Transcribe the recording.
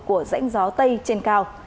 của rãnh gió tây trên cao